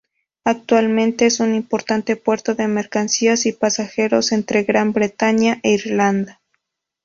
Actualmente es un importante puerto de mercancías y pasajeros entre Gran Bretaña e Irlanda.